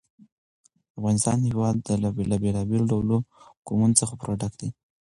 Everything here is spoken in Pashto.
د افغانستان هېواد له بېلابېلو ډولو قومونه څخه پوره ډک دی.